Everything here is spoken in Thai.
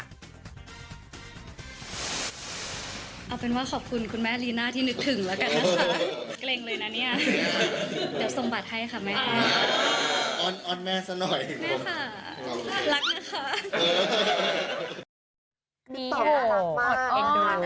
ตอบน่ารักมาก